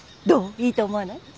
いいと思わない？